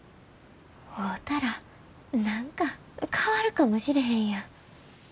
会うたら何か変わるかもしれへんやん。